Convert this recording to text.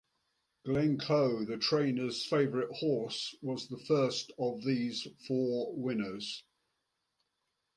Glencoe, the trainer's favourite horse, was the first of these four winners.